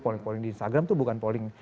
polling polling di instagram itu bukan polling